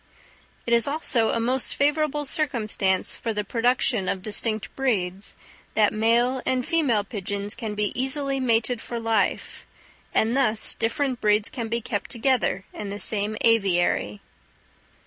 It is also a most favourable circumstance for the production of distinct breeds, that male and female pigeons can be easily mated for life; and thus different breeds can be kept together in the same aviary.